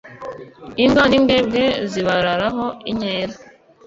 imbwa n’imbwebwe zibararaho inkera